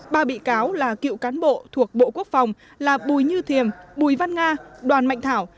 ba bị cáo là cựu cán bộ thuộc bộ quốc phòng là bùi như thiềm bùi văn nga đoàn mạnh thảo